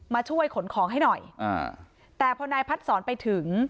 มาช่วยขนของให้หน่อยอ่าแต่พอนายพัดสอนไปถึง